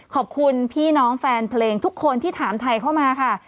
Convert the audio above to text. ขอบคุณพี่น้องแฟนเพลงทุกคนที่ถามไทยเข้ามาค่ะ